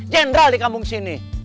jendral dikampung sini